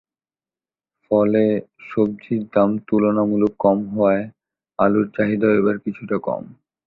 ফলে সবজির দাম তুলনামূলক কম হওয়ায় আলুর চাহিদাও এবার কিছুটা কম।